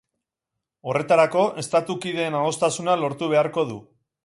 Horretarako, estatu kideen adostasuna lortu beharko du.